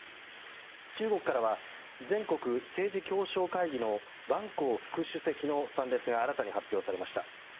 中国からは全国政治協商会議のバン・コウ副主席の参列が新たに発表されました。